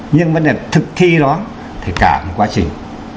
nhưng vấn đề thực thi nó thì cả một quá trình